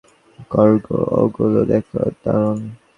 কর্গ, ওগুলো দেখো, দারুণ।